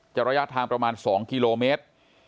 ระยะทางประมาณ๒กิโลเมตร